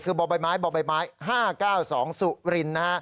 คือบ่อใบไม้บ่อใบไม้๕๙๒สุรินนะฮะ